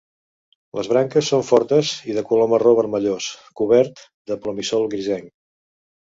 Les branques són fortes i de color marró vermellós, cobert de plomissol grisenc.